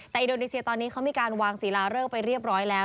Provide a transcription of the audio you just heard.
แต่อินโดนีเซียตอนนี้เขามีการวางศิลาเริกไปเรียบร้อยแล้ว